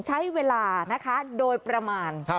ใช้เวลานะคะโดยประมาณ